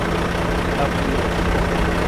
Tapira